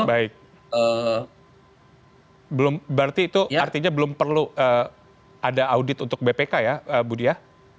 baik berarti itu artinya belum perlu ada audit untuk bpk ya budi ya